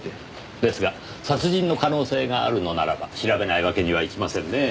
ですが殺人の可能性があるのならば調べないわけにはいきませんねぇ。